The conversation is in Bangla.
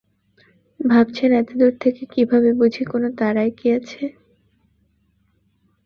ভাবছেন এতদূর থেকে কীভাবে বুঝি কোন তারায় কী আছে?